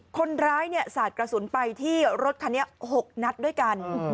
คนร้ายสาดกระสุนไปที่รถคันนี้๖นัดด้วยกัน